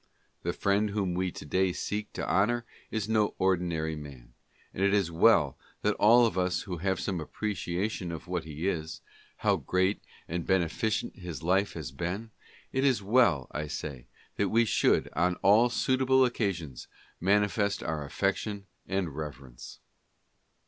The friend whom we to day seek to honor is no ordinary man, and it is well that all of us who have some appreciation of what he is — how great and beneficent his life has been — it is well, I say, that we should, on all suitable occasions, manifest our affec tion and reverence.